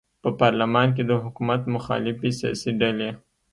په پارلمان کې د حکومت مخالفې سیاسي ډلې